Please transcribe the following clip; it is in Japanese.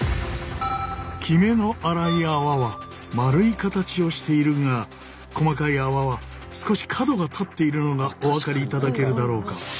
きめの粗い泡は丸い形をしているが細かい泡は少し角が立っているのがお分かりいただけるだろうか？